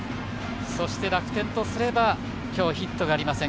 そして、楽天とすれば今日、ヒットがありません